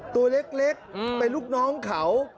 ตัวเล็กเป็นลูกน้องเขา